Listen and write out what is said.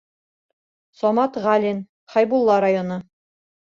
Самат ҒӘЛИН Хәйбулла районы.